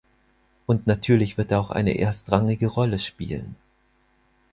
Und natürlich wird er auch eine erstrangige Rolle spielen.